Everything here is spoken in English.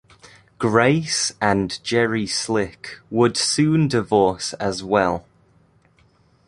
Grace and Jerry Slick would soon divorce as well.